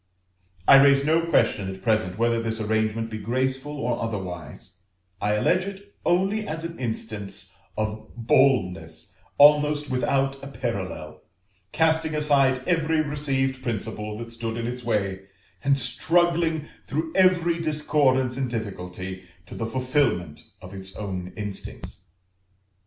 I raise no question at present whether this arrangement be graceful or otherwise; I allege it only as an instance of boldness almost without a parallel, casting aside every received principle that stood in its way, and struggling through every discordance and difficulty to the fulfilment of its own instincts.